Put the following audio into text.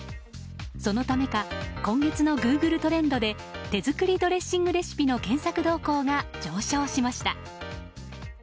そのためか今月のグーグルトレンドで手作りドレッシングレシピの検索動向が上昇しました。